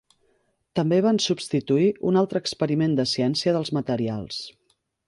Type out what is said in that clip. També van substituir un altre experiment de ciència dels materials.